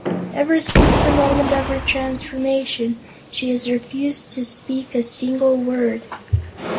Ever since the moment of her transformation, she has refused to speak a single word."